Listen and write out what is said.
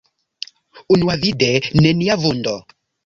Unuavide, nenia vundo.